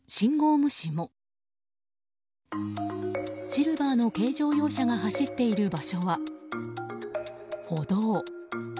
シルバーの軽乗用車が走っている場所は、歩道。